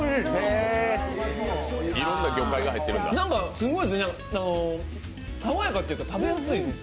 すごいですね、さわやかというか食べやすい。